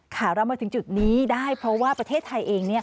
เรามาถึงจุดนี้ได้เพราะว่าประเทศไทยเอง